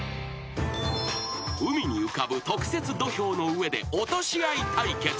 ［海に浮かぶ特設土俵の上で落とし合い対決］